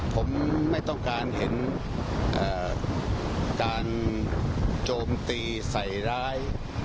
ผมไม่ต้องการเห็นการโจมตีใส่ร้าย